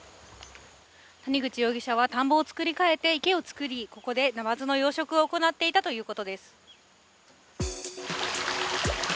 谷口容疑者は、田んぼを作り替えて池を作り、ここでナマズの養殖を行っていたということです。